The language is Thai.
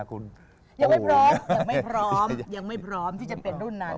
ยังไม่พร้อมที่จะเป็นรุ่นนั้น